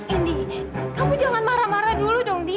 indi kamu jangan marah marah dulu dong bi